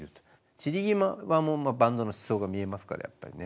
散り際もバンドの思想が見えますからやっぱりね。